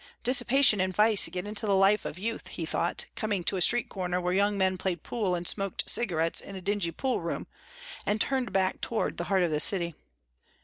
"Dissipation and vice get into the life of youth," he thought, coming to a street corner where young men played pool and smoked cigarettes in a dingy poolroom, and turned back toward the heart of the city.